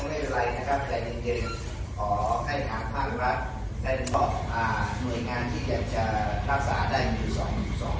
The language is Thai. ไม่เป็นไรนะครับแต่ยังได้ขอให้ถามภาษาธุรกรัฐและตอบหน่วยงานที่อยากจะรักษาได้อยู่สองโครง